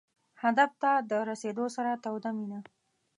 هدف ته د رسېدو سره توده مینه.